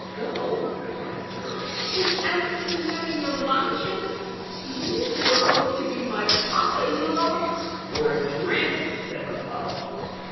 " Go !" cried the girl, " without even having your luncheon ! you, who are going to be my papa in la w ?"" Or a drink," said her father.